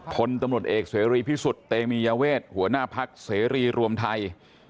พลตำรวจเอกเสรีพิสุทธิ์เตมียเวทหัวหน้าพักเสรีรวมไทย